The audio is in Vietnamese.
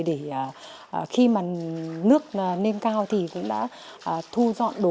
để khi mà nước nêm cao thì cũng đã thu dọn đồ